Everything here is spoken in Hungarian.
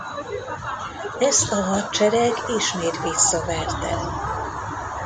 Ezt a hadsereg ismét visszaverte.